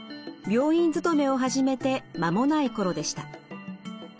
病院勤めを始めて間もない頃でした。